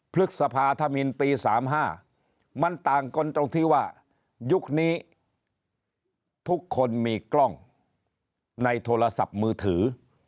พฤษภาธมินปี๓๕มันต่างกันตรงที่ว่ายุคนี้ทุกคนมีกล้องในโทรศัพท์มือถือ